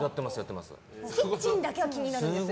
キッチンだけは気になるんです。